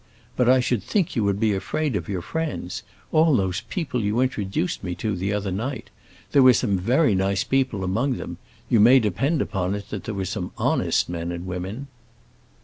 But I should think you would be afraid of your friends—all those people you introduced me to the other night. There were some very nice people among them; you may depend upon it there were some honest men and women."